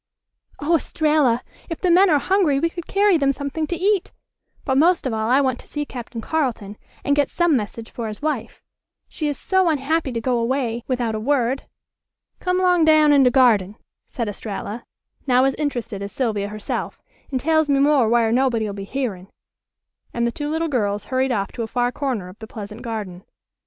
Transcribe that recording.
"Oh, Estralla! If the men are hungry we could carry them something to eat. But most of all I want to see Captain Carleton, and get some message for his wife. She is so unhappy to go away without a word." "Come 'long down in de garden," said Estralla, now as interested as Sylvia herself, "an' tells me more whar' nobody'll be hearin'," and the two little girls hurried off to a far corner of the pleasant garden.